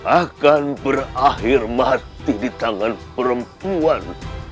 akan berakhir mati di tangan perempuan